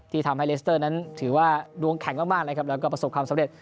ที่ทำให้เลสเตอร์นั้นถือว่าดวงแข็งมากและประสบความสำเร็จ